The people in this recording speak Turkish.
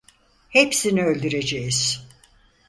Hepsini öldüreceğiz.